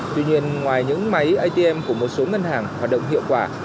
tuy nhiên ngoài những máy atm của một số ngân hàng hoạt động hiệu quả